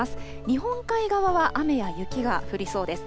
日本海側は雨や雪が降りそうです。